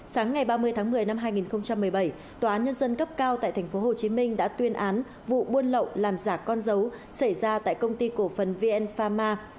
sáng ngày ba mươi tháng một mươi năm hai nghìn một mươi bảy tòa án nhân dân cấp cao tại tp hcm đã tuyên án vụ buôn lậu làm giả con dấu xảy ra tại công ty cổ phần vn pharma